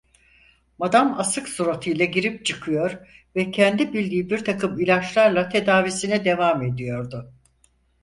Madam asık suratıyla girip çıkıyor ve kendi bildiği birtakım ilaçlarla tedavisine devam ediyordu.